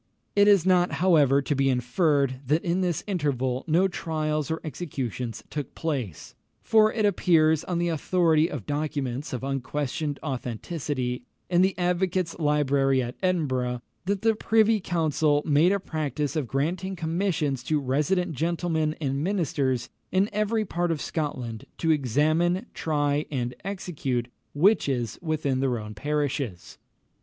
It is not, however, to be inferred, that in this interval no trials or executions took place; for it appears, on the authority of documents of unquestioned authenticity in the Advocates' Library at Edinburgh, that the Privy Council made a practice of granting commissions to resident gentlemen and ministers in every part of Scotland to examine, try, and execute witches within their own parishes.